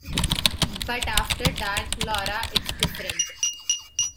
But after dark, Laura, it’s different.